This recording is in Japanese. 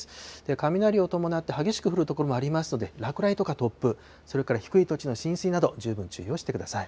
雷を伴って激しく降る所もありますので、落雷とか突風、それから低い土地の浸水など、十分注意をしてください。